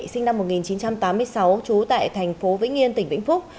sinh năm một nghìn chín trăm tám mươi sáu trú tại thành phố vĩnh yên tỉnh vĩnh phúc